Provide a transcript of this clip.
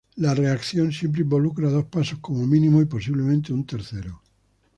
La reacción siempre involucra dos pasos como mínimo, y posiblemente un tercero.